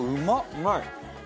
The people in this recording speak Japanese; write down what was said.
うまい！